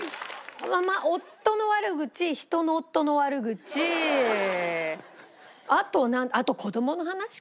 まあ夫の悪口人の夫の悪口あとあと子どもの話かな。